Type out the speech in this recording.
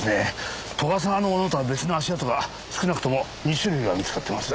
斗ヶ沢のものとは別の足跡が少なくとも２種類は見つかってます。